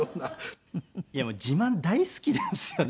いやもう自慢大好きなんですよね。